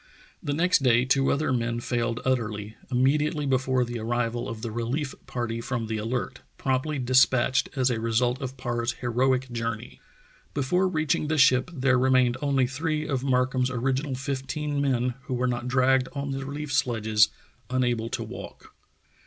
The next day two other men failed utterly, immediately before the arrival of the relief party from the Alert — promptly despatched as a result of Parr's heroic journey. Before reaching the ship there remained only three of Mark ham's original fifteen men who were not dragged on the relief sledges, unable to walk.